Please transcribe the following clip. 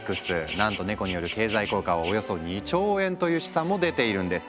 なんとネコによる経済効果はおよそ２兆円という試算も出ているんです。